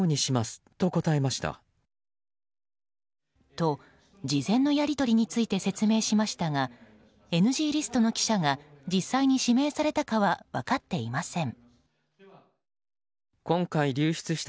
と、事前のやり取りについて説明しましたがＮＧリストの記者が実際に指名されたかは分かっていません。